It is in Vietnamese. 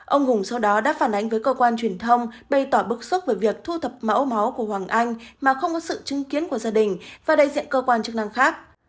ông hùng sau đó đã phản ánh với cơ quan truyền thông bày tỏ bức xúc về việc thu thập mẫu máu của hoàng anh mà không có sự chứng kiến của gia đình và đại diện cơ quan chức năng khác